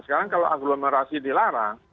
sekarang kalau aglomerasi dilarang